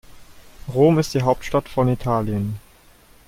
Rom ist die Hauptstadt von Italien.